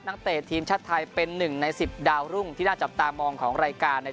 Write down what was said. เตะทีมชาติไทยเป็น๑ใน๑๐ดาวรุ่งที่น่าจับตามองของรายการ